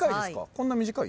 こんな短い？